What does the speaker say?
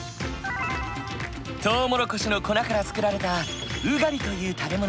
トウモロコシの粉から作られたウガリという食べ物。